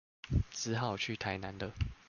只好去台南了